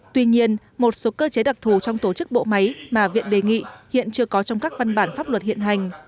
tuy nhiên một số cơ chế đặc thù trong tổ chức bộ máy mà viện đề nghị hiện chưa có trong các văn bản pháp luật hiện hành